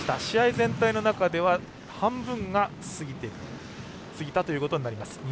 試合全体の中では半分が過ぎたということになります。